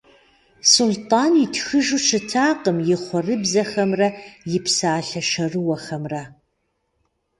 Сулътӏан итхыжу щытакъым и хъуэрыбзэхэмрэ и псалъэ шэрыуэхэмрэ.